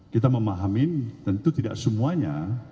kita memahami tentu tidak semuanya